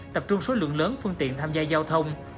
tập trung số lượng lớn phương tiện tham gia giao thông